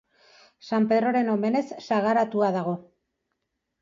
San Pedroren omenez sagaratua dago.